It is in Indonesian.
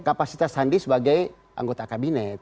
kapasitas sandi sebagai anggota kabinet